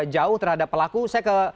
jauh terhadap pelaku saya ke